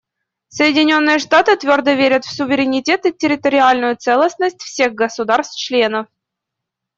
Соединенные Штаты твердо верят в суверенитет и территориальную целостность всех государств-членов.